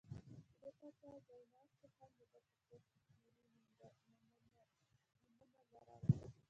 د دې پاچا ځایناستو هم د ده په څېر تصویري نومونه لرل